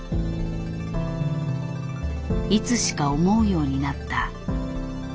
いつしか思うようになった。